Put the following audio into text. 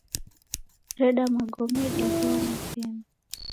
Reda magome dighou mapemba.